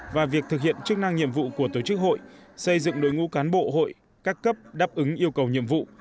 và việc thực hiện chức năng nhiệm vụ của tổ chức hội xây dựng đội ngũ cán bộ hội các cấp đáp ứng yêu cầu nhiệm vụ